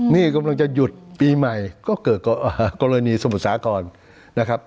นี่กำลังจะหยุดปีใหม่ก็เกิดกรณีสมุทรสากรนะครับ